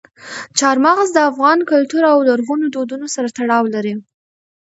چار مغز د افغان کلتور او لرغونو دودونو سره تړاو لري.